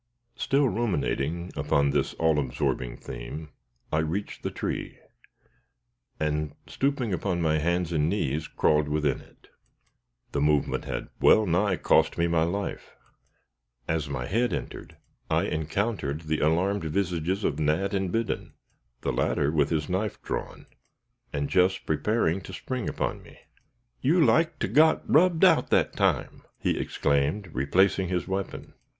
Still ruminating upon this all absorbing theme, I reached the tree, and, stooping upon my hands and knees, crawled within it. The movement had well nigh cost me my life. As my head entered, I encountered the alarmed visages of Nat and Biddon the latter with his knife drawn, and just preparing to spring upon me. "You liked to got rubbed out that time!" he exclaimed, replacing his weapon.